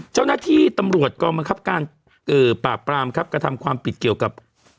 เจ้าหน้าที่ต่ำรวปก็บัดปรามกระทำความผิดเกี่ยวกับ